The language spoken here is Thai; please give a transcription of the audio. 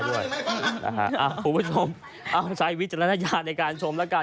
คุณผู้ชมเอาใช้วิจารณญาณในการชมแล้วกัน